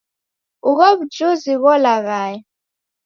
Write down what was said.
Ugho w'ujuzi gholaghaya.